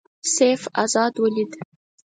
سیف آزاد ولید.